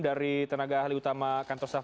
dari tenaga ahli utama kantor staff